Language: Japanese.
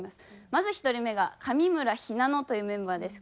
まず１人目が上村ひなのというメンバーです。